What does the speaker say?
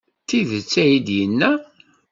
D tidet ay d-yenna.